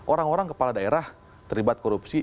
orang orang kepala daerah terlibat korupsi